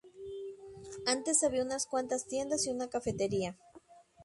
Antes había unas cuantas tiendas y una cafetería.